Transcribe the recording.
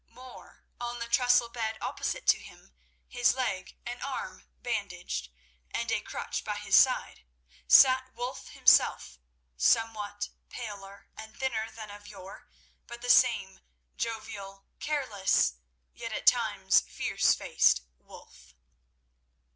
More, on the trestle bed opposite to him, his leg and arm bandaged, and a crutch by his side, sat Wulf himself, somewhat paler and thinner than of yore, but the same jovial, careless, yet at times fierce faced Wulf.